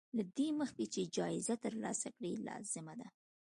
له دې مخکې چې جايزه ترلاسه کړې لازمه ده.